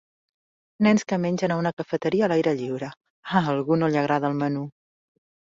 Nens que mengen a una cafeteria a l'aire lliure; a algú no li agrada el menú.